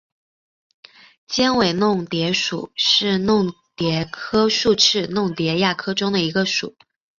尖尾弄蝶属是弄蝶科竖翅弄蝶亚科中的一个属。